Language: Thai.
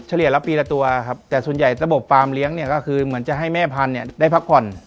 เลียละปีละตัวครับแต่ส่วนใหญ่ระบบฟาร์มเลี้ยงเนี่ยก็คือเหมือนจะให้แม่พันธุ์เนี่ยได้พักผ่อน